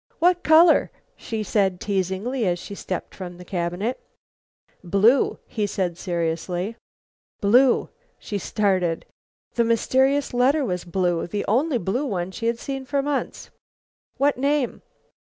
"What color?" she said teasingly, as she stepped from her cabinet. "Blue," he said seriously. "Blue?" She started. The mysterious letter was blue; the only blue one she had seen for months. "What name?"